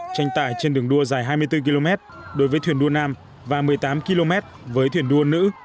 tranh tải trên đường đua dài hai mươi bốn km đối với thuyền đua nam và một mươi tám km với thuyền đua nữ